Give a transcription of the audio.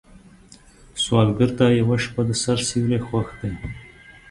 سوالګر ته یوه شپه د سر سیوری خوښ دی